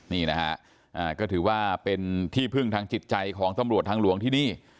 นี่นะฮะก็ถือว่าเป็นที่พึ่งทางจิตใจของตำรวจทางหลวงที่นี่